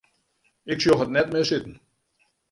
Ik sjoch it net mear sitten.